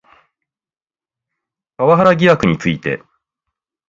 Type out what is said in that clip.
パワハラ疑惑について